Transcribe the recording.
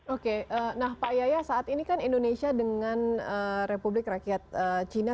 oke nah pak yaya saat ini kan indonesia dengan republik rakyat cina